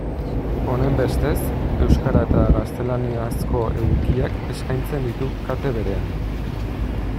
Honenbestez, euskara eta gaztelaniazko edukiak eskaintzen ditu kate berean.